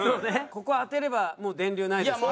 ここ当てればもう電流ないですから。